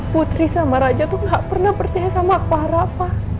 putri sama raja tuh gak pernah percaya sama akmara pak